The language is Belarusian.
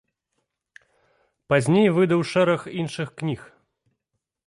Пазней выдаў шэраг іншых кніг.